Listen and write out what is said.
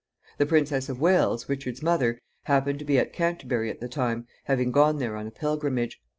The Princess of Wales, Richard's mother, happened to be at Canterbury at the time, having gone there on a pilgrimage.